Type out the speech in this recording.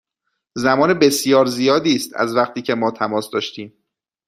زمان بسیار زیادی است از وقتی که ما تماس داشتیم.